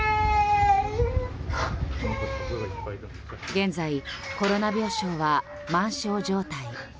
現在コロナ病床は満床状態。